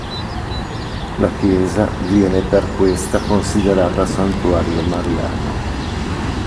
La chiesa viene per questa considerata santuario mariano.